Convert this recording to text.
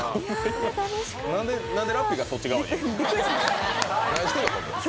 なんでラッピーが、そっち側にいるの？